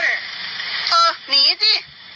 เออหนีสิ